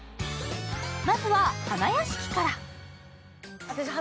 まずは花やしきから。